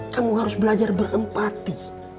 kamu harus belajar berempati